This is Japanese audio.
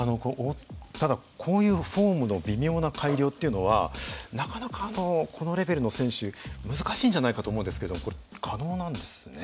ただこういうフォームの微妙な改良というのはなかなかこのレベルの選手難しいんじゃないかと思うんですけどこれ可能なんですね。